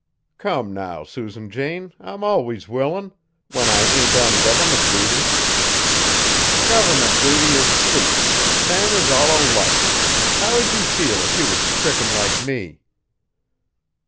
"Come now, Susan Jane, I'm always willin', when I ain't on government duty." "Government duty or sleep! Men is all alike. How would you feel if you was stricken like me?"